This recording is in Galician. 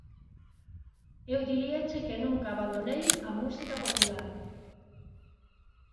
Eu diríache que nunca abandonei a música popular.